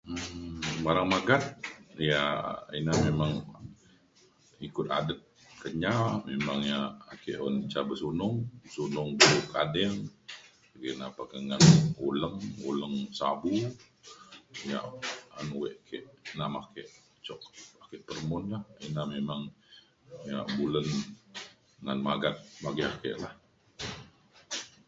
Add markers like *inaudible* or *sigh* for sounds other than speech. um barang magat yak ina memang ikut adet Kenyah memang yak ake un ca besunung sunung *noise* kading. kina pa ngan uleng buleng sabu yak an wek ke na me ake cuk ake peremun ja. ina memang yak bulen ngan magat bagi ake lah.